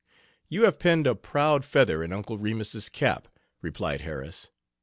"You have pinned a proud feather in Uncle Remus's cap," replied Harris.